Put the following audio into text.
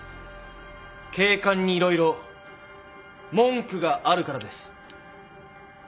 警官に色々文句があるからです。